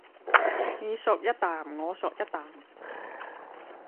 你嗦一啖我嗦一啖